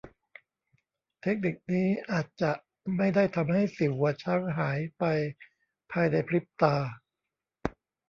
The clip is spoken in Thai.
เทคนิคนี้อาจจะไม่ได้ทำให้สิวหัวช้างหายไปภายในพริบตา